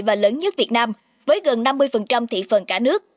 và lớn nhất việt nam với gần năm mươi thị phần cả nước